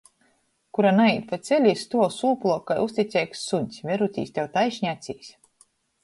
Kura naīt paceli i stuov sūpluok kai uzticeigs suņs, verūtīs tev taišni acīs.